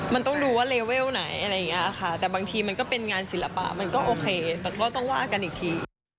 มันต้องดูว่าเลเวลไหนอะไรอย่างนี้ค่ะแต่บางทีมันก็เป็นงานศิลปะมันก็โอเคแต่ก็ต้องว่ากันอีกที